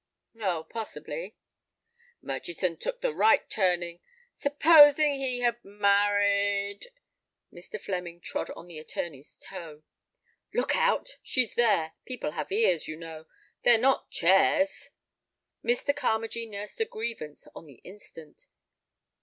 "Oh, possibly." "Murchison took the right turning. Supposing he had married—" Mr. Flemming trod on the attorney's toe. "Look out, she's there; people have ears, you know; they're not chairs." Mr. Carmagee nursed a grievance on the instant.